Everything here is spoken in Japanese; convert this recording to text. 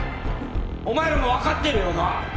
お前らも分かってるよな？